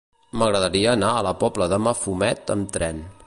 M'agradaria anar a la Pobla de Mafumet amb tren.